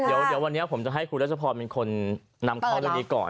เดี๋ยววันนี้ผมจะให้คุณรัชพรเป็นคนนำข้อมูลนี้ก่อน